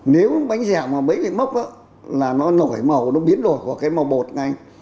nếu bánh dẻo mà bấy cái mốc á là nó nổi màu nó biến đổi của cái màu bột này